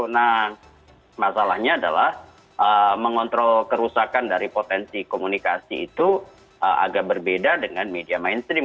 nah masalahnya adalah mengontrol kerusakan dari potensi komunikasi itu agak berbeda dengan media mainstream